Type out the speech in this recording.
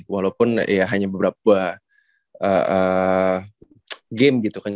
walaupun ya hanya beberapa game gitu kan